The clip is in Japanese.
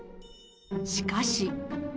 しかし。